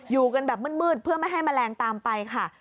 อยู่กันแบบมืดเพื่อไม่ให้แมลงตามไปค่ะ